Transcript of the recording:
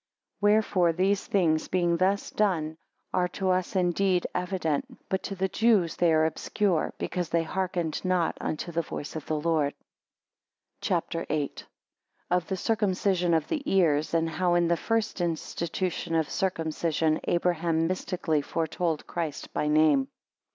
9 Wherefore these things being thus done, are to us indeed evident, but to the Jews they are obscure; because they hearkened not unto the voice of the Lord. CHAPTER VIII. Of the circumcision of the ears and how in the first institution of circumcision Abraham mystically foretold Christ by name.